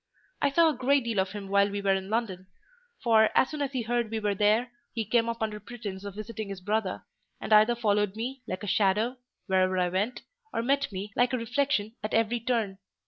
"I saw a great deal of him while we were in London; for, as soon as he heard we were there, he came up under pretence of visiting his brother, and either followed me, like a shadow, wherever I went, or met me, like a reflection, at every turn.